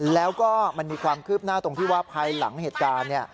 แล้วก็มันมีความคืบหน้าตรงที่ว่าภายหลังเหตุการณ์